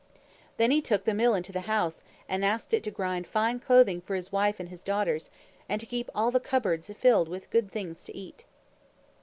Then he took the Mill into the house and asked it to grind fine clothing for his wife and his daughters, and to keep all the cupboards filled with good things to eat.